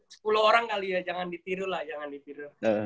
jadi sepuluh orang kali ya jangan ditiru lah jangan ditiru